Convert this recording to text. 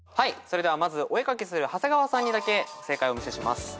それではまずお絵かきする長谷川さんにだけ正解をお見せします。